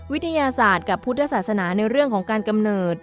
วิทยาศาสตร์กับพุทธศาสนาในเรื่องของการกำเนิด